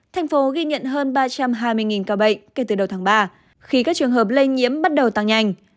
thành phố ghi nhận hơn ba trăm hai mươi ca bệnh kể từ đầu tháng ba khi các trường hợp lây nhiễm bắt đầu tăng nhanh